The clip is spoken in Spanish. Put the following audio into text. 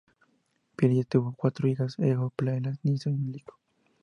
Pilia tuvo cuatro hijos, Egeo, Palas, Niso y Lico.